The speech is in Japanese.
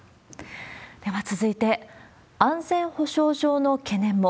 では続いて、安全保障上の懸念も。